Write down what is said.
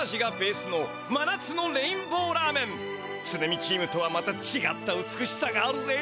美チームとはまたちがった美しさがあるぜ！